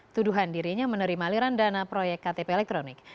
tuduhan dirinya menerima aliran dana proyek ktp elektronik